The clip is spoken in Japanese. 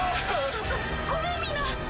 ごごめんみんな。